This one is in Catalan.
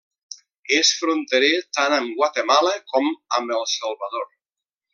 És fronterer tant amb Guatemala com amb El Salvador.